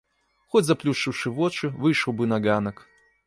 Хоць заплюшчыўшы вочы выйшаў бы на ганак.